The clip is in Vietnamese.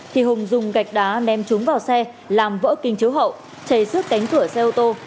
thì hùng dùng gạch đá ném trúng vào xe làm vỡ kinh chấu hậu chảy xước cánh cửa xe ô tô